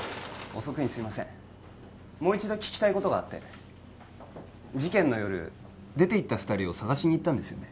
遅くにすいませんもう一度聞きたいことがあって事件の夜出て行った二人を捜しに行ったんですよね？